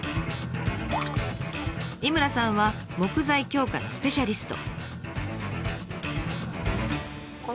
井村さんは木材強化のスペシャリスト。